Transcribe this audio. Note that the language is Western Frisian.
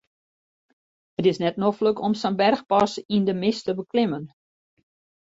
It is net noflik om sa'n berchpas yn de mist te beklimmen.